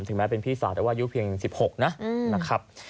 ถึงแม้เป็นพี่สาวแต่ว่ายุเพียงสิบหกนะนะครับ